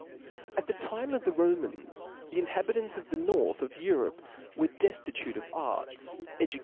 At the time of the Romans the inhabitants of the north of Europe were deftitute of arts, edu